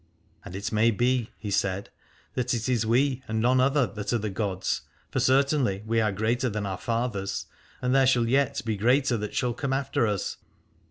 And it may be, he said, that it is we, and none other, that are the gods, for certainly we are greater than our fathers, and there shall yet be greater that shall come after us.